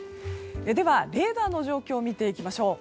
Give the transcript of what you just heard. では、レーダーの状況を見ていきましょう。